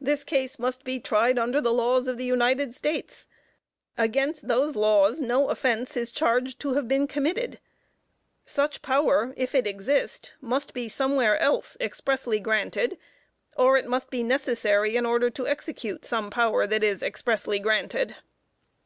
This case must be tried under the laws of the United States. Against those laws, no offense is charged to have been committed. Such power, if it exist, must be somewhere expressly granted, or it must be necessary in order to execute some power that is expressly granted.